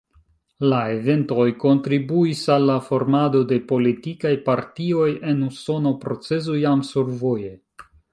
La eventoj kontribuis al la formado de politikaj partioj en Usono, procezo jam survoje.